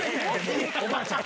おばあちゃん。